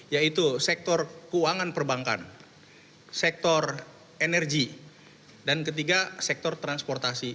yaitu sektor keuangan perbankan sektor energi dan ketiga sektor transportasi